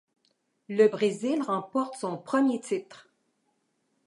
Le Brésil remporte son premier titre.